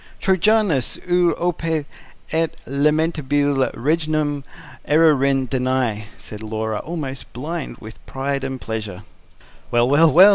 "TROJANAS UT OPES ET LAMENTABILE REGNUM ERUERINT DANAI," said Laura, almost blind with pride and pleasure. "Well, well, well!"